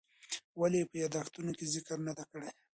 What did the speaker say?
ولې یې په یادښتونو کې ذکر نه دی کړی؟